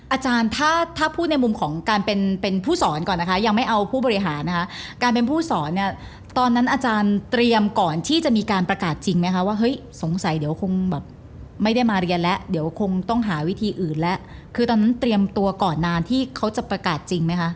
อาจารย์ถ้าถ้าพูดในมุมของการเป็นเป็นผู้สอนก่อนนะคะยังไม่เอาผู้บริหารนะคะการเป็นผู้สอนเนี่ยตอนนั้นอาจารย์เตรียมก่อนที่จะมีการประกาศจริงไหมคะว่าเฮ้ยสงสัยเดี๋ยวคงแบบไม่ได้มาเรียนแล้วเดี๋ยวคงต้องหาวิธีอื่นแล้วคือตอนนั้นเตรียมตัวก่อนนานที่เขาจะประกาศจริงไหมคะ